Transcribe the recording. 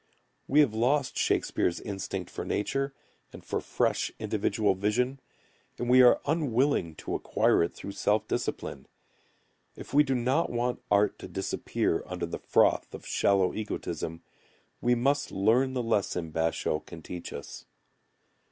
We have lost Shakespeare's instinct for nature and for fresh individual vision, and we are unwilling to acquire it through self discipline. If we do not want art to disappear under the froth of shallow egotism, we must learn the lesson Basho[u] can teach us.